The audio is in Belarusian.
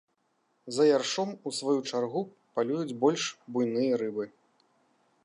За яршом у сваю чаргу палююць больш буйныя рыбы.